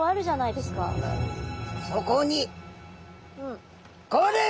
そこに！